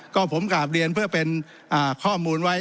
ก็ผมกลับเรียนเพื่อเป็นข้อมูลไว้